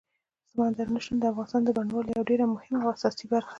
سمندر نه شتون د افغانستان د بڼوالۍ یوه ډېره مهمه او اساسي برخه ده.